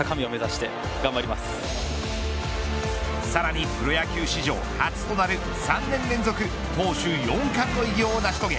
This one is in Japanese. さらにプロ野球史上初となる３年連続投手４冠の偉業を成し遂げ